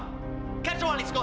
kau tak boleh keluar dari rumah